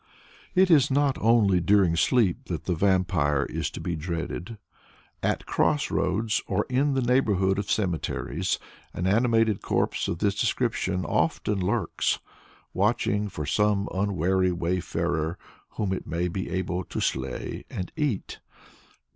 It is not only during sleep that the Vampire is to be dreaded. At cross roads, or in the neighborhood of cemeteries, an animated corpse of this description often lurks, watching for some unwary wayfarer whom it may be able to slay and eat.